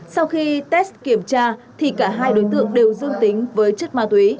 sau khi test kiểm tra thì cả hai đối tượng đều dương tính với chất ma túy